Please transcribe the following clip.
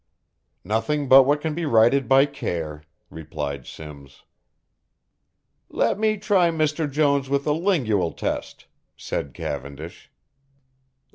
"Nothing but what can be righted by care," replied Simms. "Let me try Mr. Jones with a lingual test," said Cavendish.